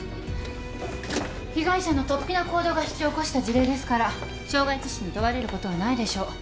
被害者のとっぴな行動が引き起こした事例ですから傷害致死に問われることはないでしょう。